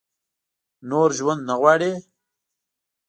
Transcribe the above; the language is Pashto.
نور ژوند نه غواړي ؟